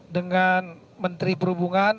dengan menteri perhubungan